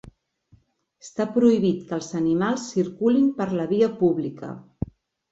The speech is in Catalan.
Està prohibit que els animals circulin per la via pública.